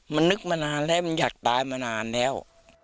มันนึกมานานแล้วมันอยากตายมานานแล้ว